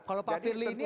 kalau pak firdy ini ya